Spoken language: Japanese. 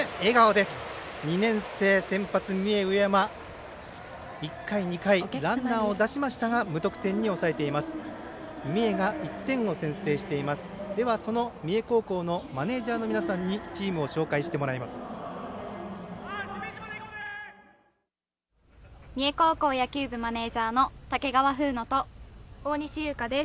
ではその三重高校のマネージャーの皆さんにチームを紹介してもらいます。